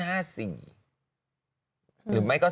หรือไม่ก็